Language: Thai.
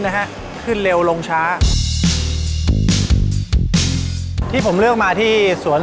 การแชร์ประสบการณ์